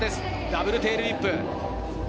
ダブルテールウィップ。